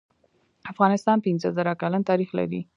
افغانستان پنځه زر کلن تاریخ لري.